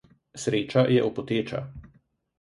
Sreča je opoteča.